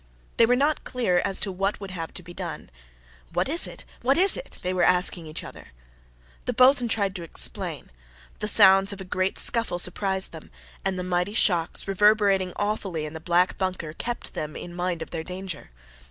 They were not clear as to what would have to be done. "What is it? What is it?" they were asking each other. The boatswain tried to explain; the sounds of a great scuffle surprised them: and the mighty shocks, reverberating awfully in the black bunker, kept them in mind of their danger.